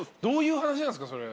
どういう話なんすか？